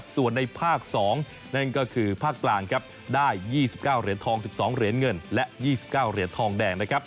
ส่วนในภาค๒นั่นก็คือภาคกลางครับได้๒๙เหรียญทอง๑๒เหรียญเงินและ๒๙เหรียญทองแดงนะครับ